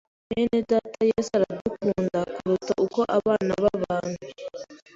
Bene data Yesu aradukunda kuruta uko abana b’abantu